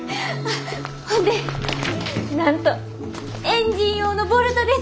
ほんでなんとエンジン用のボルトです。